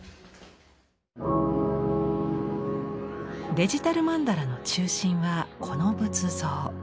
デジタル曼荼羅の中心はこの仏像。